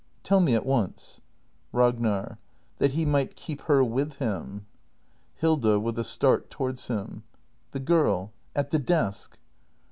Tell me at once! Ragnar. That he might keep her with him. Hilda. [With a start towards him.] The girl at the desk.